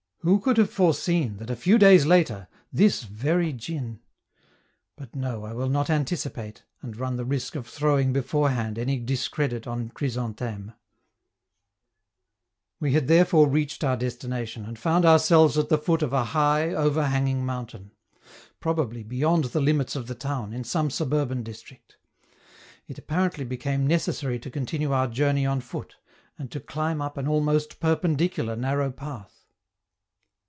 Who could have foreseen that a few days later this very djin? But no, I will not anticipate, and run the risk of throwing beforehand any discredit on Chrysantheme. We had therefore reached our destination, and found ourselves at the foot of a high, overhanging mountain; probably beyond the limits of the town, in some suburban district. It apparently became necessary to continue our journey on foot, and to climb up an almost perpendicular narrow path.